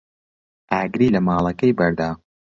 ئاگری لە ماڵەکەی بەردا.